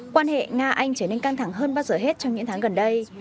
quan hệ nga anh trở nên căng thẳng hơn bao giờ hết trong những tháng gần đây